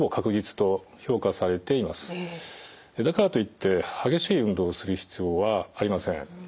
だからといって激しい運動をする必要はありません。